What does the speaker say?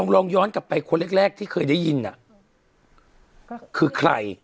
ลองย้อนกลับไปคนแรกที่เคยได้ยินก็คือใคร